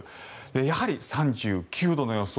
やはり、３９度の予想。